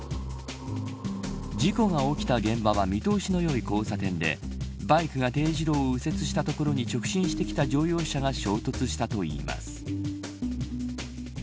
事故が起きた現場は見通しのよい交差点でバイクが丁字路を右折した所に直進してきた乗用車が衝突したといいます。